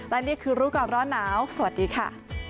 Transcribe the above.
และนี่คือรู้ก่อนร้อนหนาวสวัสดีค่ะ